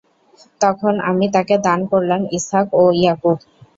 তখন আমি তাকে দান করলাম ইসহাক ও ইয়াকূব।